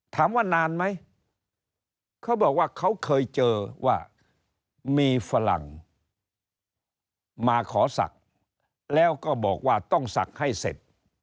ถามว่านานไหมเขาบอกว่าเขาเคยเจอว่ามีฝรั่งมาขอศักดิ์แล้วก็บอกว่าต้องศักดิ์ให้เสร็จ